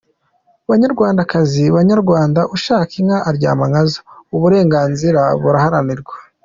Banyarwandakazi, Banyarwanda, ushaka inka aryama nkazo : uburenganzira buraharanirwa !